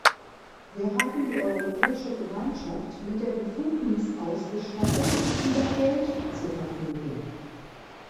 Wir haben die Europäische Gemeinschaft mit der Befugnis ausgestattet, über Geld zu verfügen.